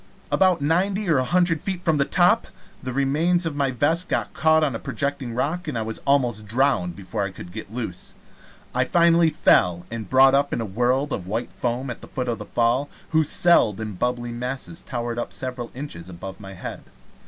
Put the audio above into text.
About ninety or a hundred feet from the top, the remains of my vest caught on a projecting rock, and I was almost drowned before I could get loose. I finally fell, and brought up in a world of white foam at the foot of the Fall, whose celled and bubbly masses towered up several inches above my head.